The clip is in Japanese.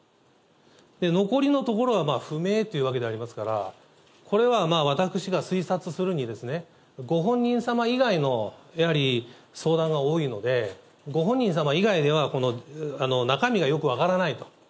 残りのところは不明というわけでありますから、これは私が推察するに、ご本人様以外の、やはり相談が多いので、ご本人様以外では、この中身がよく分からないと。